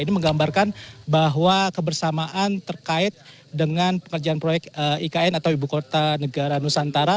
ini menggambarkan bahwa kebersamaan terkait dengan pekerjaan proyek ikn atau ibu kota negara nusantara